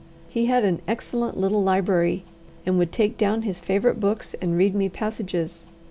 He had an excellent little library, and would take down his favourite books and read me passages.